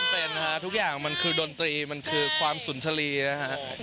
เป็นฮะทุกอย่างมันคือดนตรีมันคือความสุนทรีนะฮะ